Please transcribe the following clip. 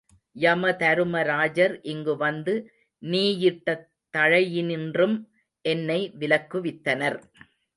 யமதருமராஜர் இங்கு வந்து நீ யிட்ட தளையினின்றும் என்னை விலக்குவித்தனர்.